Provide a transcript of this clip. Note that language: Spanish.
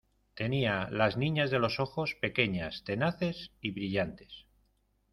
tenía las niñas de los ojos pequeñas, tenaces y brillantes